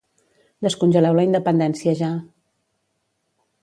Descongeleu la independència ja.